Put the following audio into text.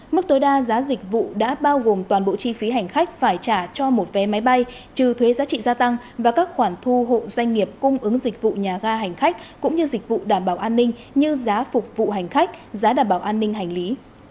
mức tối đa giá dịch vụ đã bao gồm toàn bộ chi phí hành khách phải trả cho một vé máy bay trừ thuế giá trị gia tăng và các khoản thu hộ doanh nghiệp cung ứng dịch vụ nhà ga hành khách cũng như dịch vụ đảm bảo an ninh như giá phục vụ hành khách giá đảm bảo an ninh hành lý